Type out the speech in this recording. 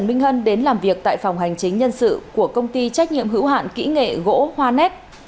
trần minh hân đến làm việc tại phòng hành chính nhân sự của công ty trách nhiệm hữu hạn kỹ nghệ gỗ hoa nét